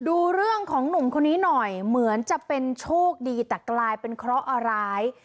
ดูเรื่องของหนุ่มคนนี้หน่อยเหมือนจะเป็นโชคดีแต่กลายเป็นเคราะห์ร้าย